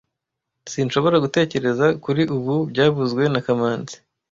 Sinshobora gutekereza kuri ubu byavuzwe na kamanzi